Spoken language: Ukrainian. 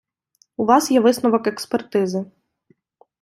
У вас є висновок експертизи.